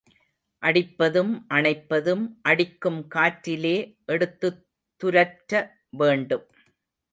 அடிப்பதும், அணைப்பதும் அடிக்கும் காற்றிலே எடுத்துத் துரற்ற வேண்டும்.